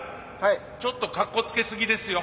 ちょっとかっこつけすぎですよ。